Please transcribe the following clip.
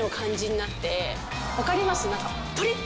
分かります？